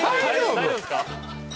大丈夫すか？